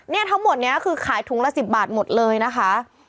ทั้งหมดนี้คือขายถุงละ๑๐บาทหมดเลยนะคะ